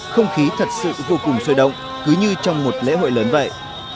không khí thật sự vô cùng sôi động cứ như trong một lễ hội lớn vậy